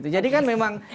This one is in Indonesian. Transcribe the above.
jadi kan memang